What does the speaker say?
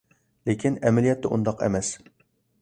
لېكىن، ئەمەلىيەتتە ئۇنداق ئەمەس.